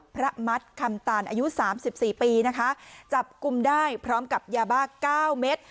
มัดคำตานอายุสามสิบสี่ปีนะคะจับกลุ่มได้พร้อมกับยาบ้า๙เม็ด